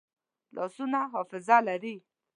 لاسونه حافظه لري